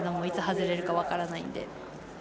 いつ外れるか分からないので。